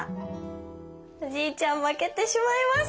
おじいちゃん負けてしまいました。